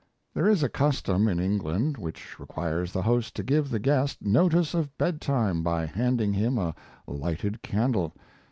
There is a custom in England which requires the host to give the guest notice of bedtime by handing him a lighted candle.